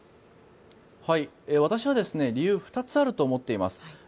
私は理由、２つあると思っています。